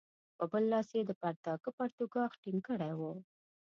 په بل لاس یې د پرتاګه پرتوګاښ ټینګ کړی وو.